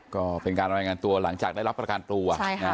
ก็เป็นการรายงานตัวหลังจากได้รับประกันตัว